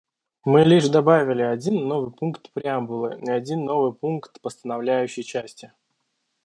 Мы лишь добавили один новый пункт преамбулы и один новый пункт постановляющей части.